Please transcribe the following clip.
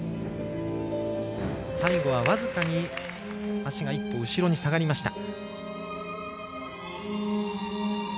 最後は僅かに足が１歩後ろに下がりました。